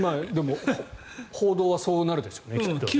報道はそうなるでしょうね。